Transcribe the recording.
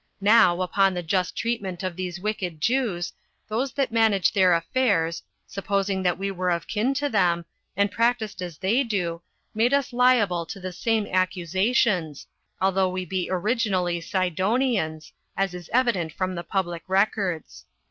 Now, upon the just treatment of these wicked Jews, those that manage their affairs, supposing that we were of kin to them, and practiced as they do, make us liable to the same accusations, although we be originally Sidonians, as is evident from the public records.